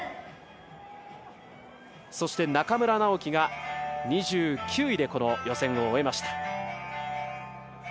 そして、中村直幹が２９位で予選を終えました。